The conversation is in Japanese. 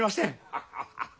ハハハハ。